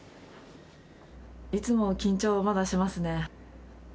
いつも緊張はまだしますね。